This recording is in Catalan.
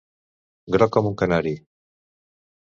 Groc com un canari.